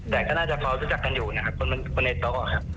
แต่ก็น่าจะพอรู้จักกันอยู่นะครับคนในโต๊ะครับ